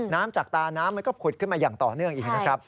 น้ำจากตาน้ำมันก็ผุดขึ้นมาอย่างต่อเนื่องอีกนะครับ